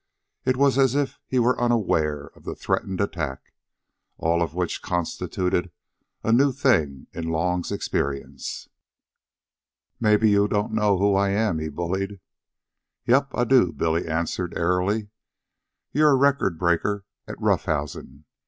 It was as if he were unaware of the threatened attack. All of which constituted a new thing in Long's experience. "Maybe you don't know who I am," he bullied. "Yep, I do," Billy answered airily. "You're a record breaker at rough housin'."